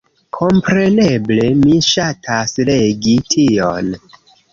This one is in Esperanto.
Kompreneble mi ŝatas legi tion